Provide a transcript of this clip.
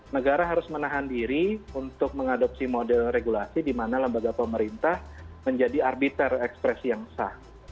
negara harus menahan diri untuk mengadopsi model regulasi di mana lembaga pemerintah menjadi arbiter ekspresi yang sah